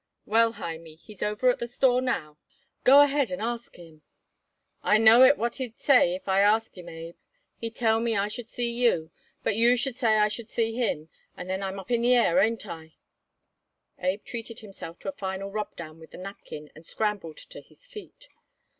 "Well, Hymie, he's over at the store now," Abe replied. "Go ahead and ask him." "I know it what he'd say if I ask him, Abe. He'd tell me I should see you; but you say I should see him, and then I'm up in the air. Ain't it?" Abe treated himself to a final rubdown with the napkin and scrambled to his feet.